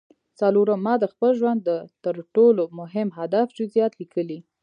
څلورم ما د خپل ژوند د تر ټولو مهم هدف جزييات ليکلي.